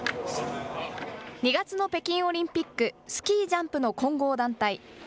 ２月の北京オリンピック、スキージャンプの混合団体。